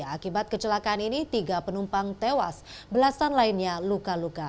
akibat kecelakaan ini tiga penumpang tewas belasan lainnya luka luka